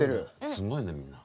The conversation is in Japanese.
すごいねみんな。